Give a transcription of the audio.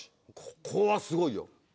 ここはすごいよ。